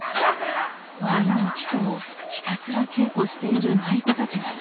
舞の基礎をひたすら稽古している舞妓たちがいました。